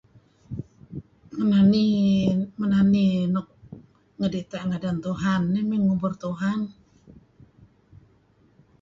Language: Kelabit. Menani menani nuk ngedita' ngadan Tuhan eh ngubur Tuhan.